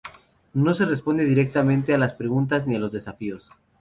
No se responde directamente a las preguntas ni a los desafíos.